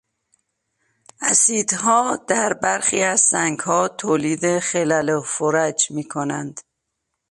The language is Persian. اسیدها در برخی از سنگها تولید خلل و فرج میکنند.